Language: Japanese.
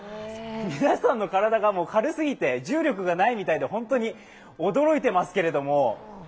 皆さんの体が軽すぎて、重力がないみたいで、本当に驚いていますけども。